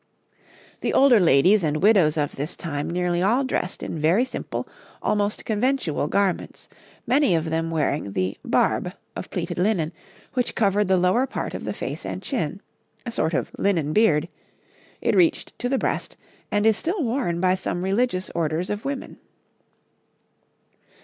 The older ladies and widows of this time nearly all dressed in very simple, almost conventual garments, many of them wearing the 'barbe' of pleated linen, which covered the lower part of the face and the chin a sort of linen beard it reached to the breast, and is still worn by some religious orders of women.